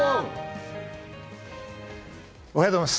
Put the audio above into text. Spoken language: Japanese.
おはようございます。